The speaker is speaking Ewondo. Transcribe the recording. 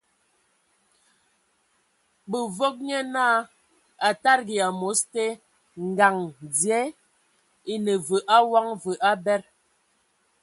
Bǝvɔg nye naa a tadigi amos te, ngaŋ dzie e ne ve awon, və abed.